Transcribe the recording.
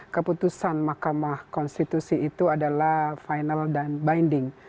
keputusan mahkamah konstitusi itu adalah final dan binding